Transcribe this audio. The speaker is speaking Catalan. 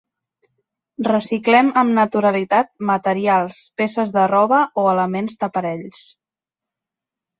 Reciclem amb naturalitat materials, peces de roba o elements d'aparells.